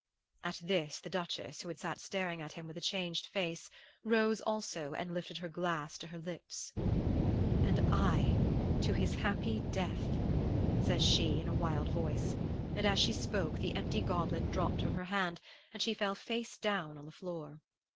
"At this the Duchess, who had sat staring at him with a changed face, rose also and lifted her glass to her lips. "'And I to his happy death,' says she in a wild voice; and as she spoke the empty goblet dropped from her hand and she fell face down on the floor.